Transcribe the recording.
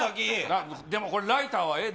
でもライターはええで。